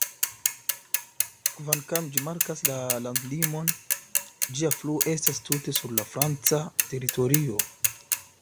Kvankam ĝi markas la landlimon, ĝia fluo estas tute sur la franca teritorio.